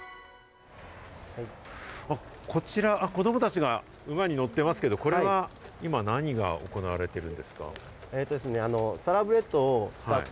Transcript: あっ、こちら、子どもたちが馬に乗ってますけど、これは今、何が行われてるんですか？